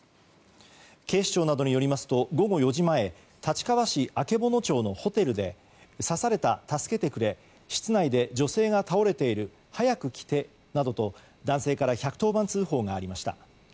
警視庁などによりますと午後４時前立川市曙町のホテルで刺された、助けてくれ室内で女性が倒れている早く来てなどと、男性から１１０番通報がありました。